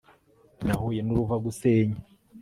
nahuye n'uruva gusenya